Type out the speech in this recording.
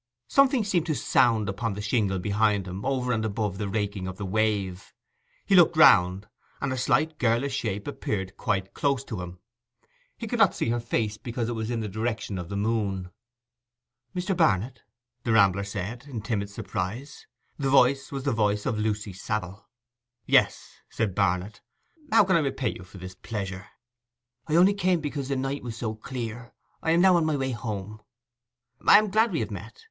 Something seemed to sound upon the shingle behind him over and above the raking of the wave. He looked round, and a slight girlish shape appeared quite close to him, He could not see her face because it was in the direction of the moon. 'Mr. Barnet?' the rambler said, in timid surprise. The voice was the voice of Lucy Savile. 'Yes,' said Barnet. 'How can I repay you for this pleasure?' 'I only came because the night was so clear. I am now on my way home.' 'I am glad we have met.